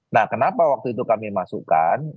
nah kenapa waktu itu kami masukkan